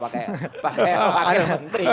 pakai yang pakai menteri